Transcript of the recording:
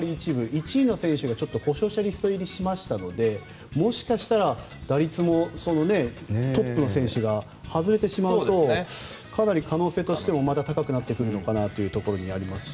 １位の選手が故障者リスト入りしましたのでもしかしたら打率もトップの選手が外れてしまうとかなり可能性としてもまた高くなってくるのかなというところですし。